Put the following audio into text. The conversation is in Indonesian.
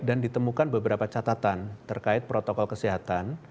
dan ditemukan beberapa catatan terkait protokol kesehatan